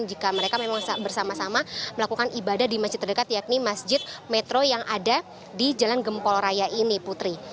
jika mereka memang bersama sama melakukan ibadah di masjid terdekat yakni masjid metro yang ada di jalan gempol raya ini putri